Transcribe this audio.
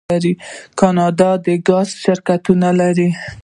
کاناډا د ګاز شرکتونه لري.